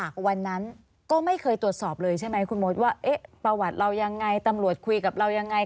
วันนั้นก็ไม่เคยตรวจสอบเลยใช่ไหมคุณมดว่าเอ๊ะประวัติเรายังไงตำรวจคุยกับเรายังไง